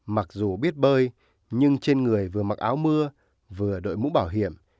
mặc dù biết bơi nhưng trên người vừa mặc áo mưa vừa đội mũ bảo hiểm